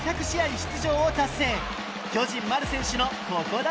出場を達成